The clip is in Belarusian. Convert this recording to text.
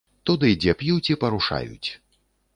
Туды, дзе п'юць і парушаюць.